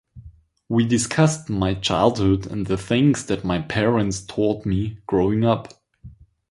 We discussed my childhood and the things that my parents taught me growing up.